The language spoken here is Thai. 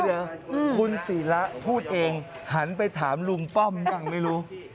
เดี๋ยวคุณศิระพูดเองหันไปถามลุงป้อมบ้างไม่รู้